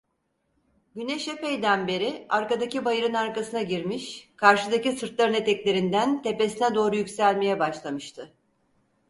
Güneş epeyden beri arkadaki bayırın arkasına girmiş, karşıdaki sırtların eteklerinden tepesine doğru yükselmeye başlamıştı.